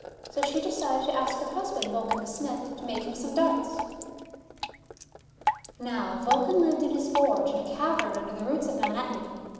So she decided to ask her husband, Vulcan the Smith, to make him some darts. Now Vulcan lived in his forge in a cavern under the roots of Mount ^Etna.